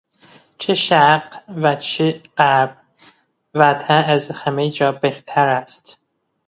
چه شرق و چه غرب وطن از همهجا بهتر است!